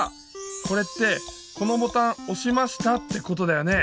これって「このボタンおしました」ってことだよね！